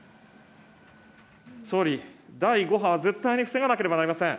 総理、第５波は絶対に防がなければなりません。